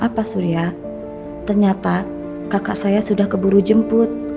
iya pak surya ternyata kakak saya sudah keburu jemput